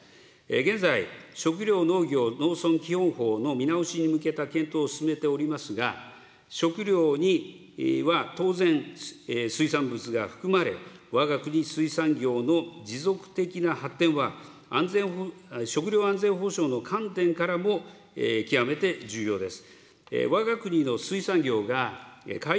現在、食料農業の見直しに向けた検討を進めておりますが、食料には当然、水産物が含まれ、わが国水産業の持続的な発展は食料安全保障の観点からも、極めて重要です。